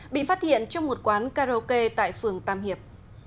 bị phát hiện trong một quán karaoke tại phường tam hiệp